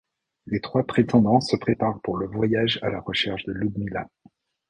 Les trois prétendants se préparent pour le voyage à la recherche de Ludmila.